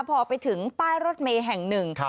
พอไปถึงป้ายรถเมย์แห่งหนึ่ง